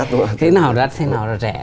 thế nào là đắt thế nào là rẻ